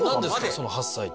その８歳って。